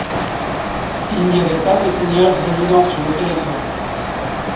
Il n'y avait pas de seigneur résident sur le territoire.